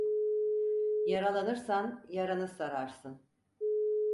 Yaralanırsan, yaranı sararsın.